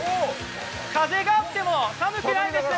風があっても寒くないです。